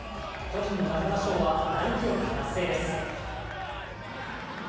巨人の中田翔は大記録達成です。